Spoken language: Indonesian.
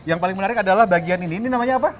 yang paling menarik adalah bagian ini ini namanya apa